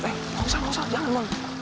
nggak usah jangan